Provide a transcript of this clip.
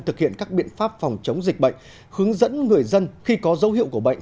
thực hiện các biện pháp phòng chống dịch bệnh hướng dẫn người dân khi có dấu hiệu của bệnh